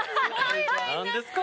何ですか？